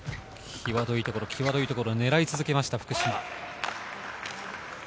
際どいところ、際どいところを狙い続けました福島。